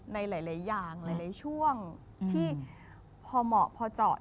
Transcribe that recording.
ในหลายอย่างหลายช่วงที่พอเหมาะพอเจาะ